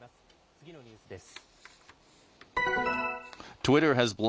次のニュースです。